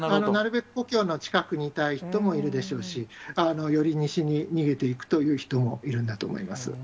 なるべく故郷の近くにいたい人もいるでしょうし、より西に逃げていくという人もいるんだと思います。